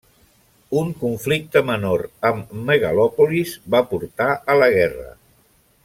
Un conflicte menor amb Megalòpolis va portar a la guerra.